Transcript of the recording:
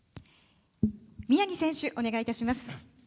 宮城選手、お願いいたします。